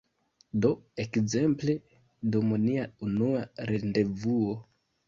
Do, ekzemple, dum nia unua rendevuo